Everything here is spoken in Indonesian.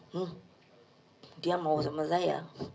hmm dia mau sama saya